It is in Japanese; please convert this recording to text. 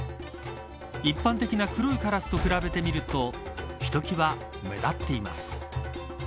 一般的な黒いカラスと比べてみるとひときわ目立っています。